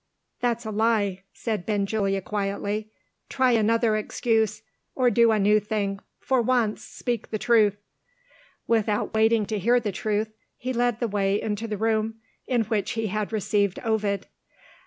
"That's a lie," said Benjulia quietly. "Try another excuse. Or do a new thing. For once, speak the truth." Without waiting to hear the truth, he led the way into the room in which he had received Ovid.